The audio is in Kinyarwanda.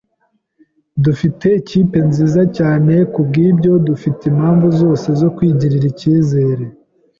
Dufite ikipe nziza cyane, kubwibyo dufite impamvu zose zo kwigirira icyizere.